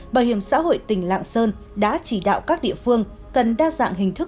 bảo hiểm xã hội tỉnh lạng sơn đã chỉ đạo các địa phương cần đa dạng hình thức